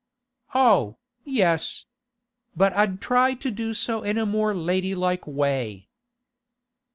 'Oh, yes. But I'd try to do so in a more ladylike way.